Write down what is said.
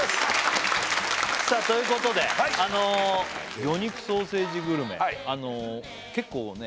さあということで魚肉ソーセージグルメ結構ね